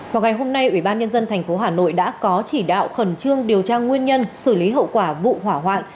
vào ngày hôm nay ủy ban nhân dân tp hà nội đã có chỉ đạo khẩn trương điều tra nguyên nhân xử lý hậu quả vụ hỏa hoạn